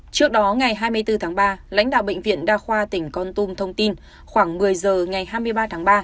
trước đó ngày hai mươi bốn tháng ba lãnh đạo bệnh viện đa khoa tỉnh con tum thông tin khoảng một mươi giờ ngày hai mươi ba tháng ba